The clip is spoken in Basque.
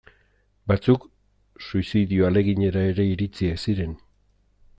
Batzuk suizidio ahaleginera ere iritsiak ziren.